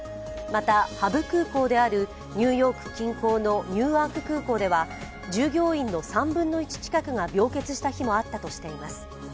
またハブ空港であるニューヨーク近郊のニューアーク空港では、従業員の３分の１近くが病欠した日もあったとしています。